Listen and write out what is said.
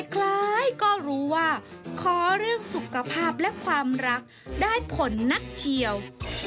คล้ายก็รู้ว่าขอเรื่องสุขภาพและความรักได้ผลนักเฉียว